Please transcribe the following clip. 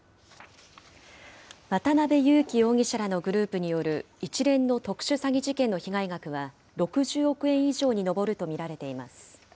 渡邉優樹容疑者らのグループによる一連の特殊詐欺事件の被害額は６０億円以上に上ると見られています。